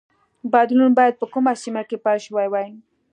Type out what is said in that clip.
بدلون باید په کومه سیمه کې پیل شوی وای.